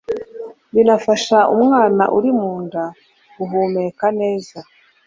binafashe umwana uri mu nda guhumeka neza